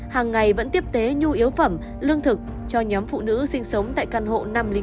hàng ngày vẫn tiếp tế nhu yếu phẩm lương thực cho nhóm phụ nữ sinh sống tại căn hộ năm trăm linh bốn